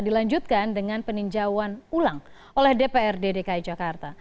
dilanjutkan dengan peninjauan ulang oleh dprd dki jakarta